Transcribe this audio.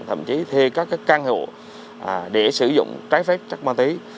thậm chí thuê các căn hộ để sử dụng trái phép chất ma túy